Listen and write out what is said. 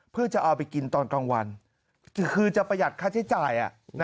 เพื่อจะเอาไปกินตอนกลางวันคือจะประหยัดค่าใช้จ่าย